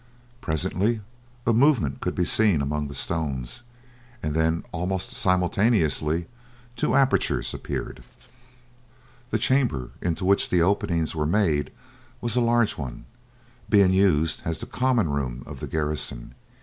Presently a movement could be seen among the stones, and then almost simultaneously two apertures appeared. The chamber into which the openings were made was a large one, being used as the common room of the garrison.